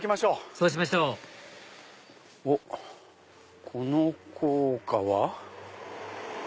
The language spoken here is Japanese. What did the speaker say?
そうしましょうおっこの高架は。